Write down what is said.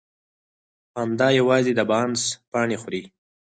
پاندا یوازې د بانس پاڼې خوري